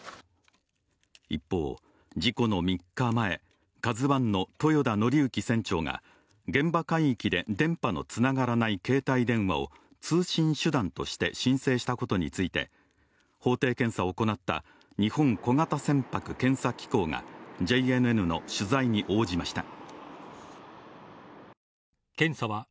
一方、事故の３日前、「ＫＡＺＵⅠ」の豊田徳幸船長が現場海域で電波のつながらない携帯電話を通信手段として申請したことについて、法定検査を行った日本小型船舶検査機構がＪＮＮの取材に応じました。